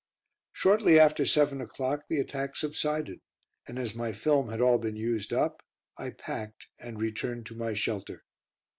Shortly after seven o'clock the attack subsided, and as my film had all been used up, I packed and returned to my shelter.